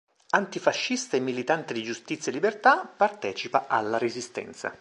Antifascista e militante di Giustizia e Libertà, partecipa alla Resistenza.